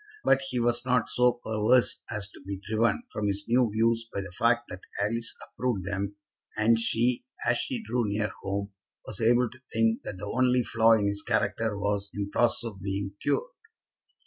But he was not so perverse as to be driven from his new views by the fact that Alice approved them, and she, as she drew near home, was able to think that the only flaw in his character was in process of being cured.